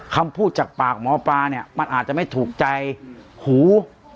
คำพูดจากปากหมอปลาเนี่ยมันอาจจะไม่ถูกใจหู